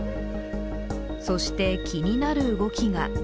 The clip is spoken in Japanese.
そして、気になる動きが。